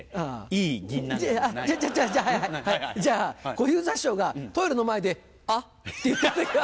小遊三師匠がトイレの前で「あっ」って言った時は？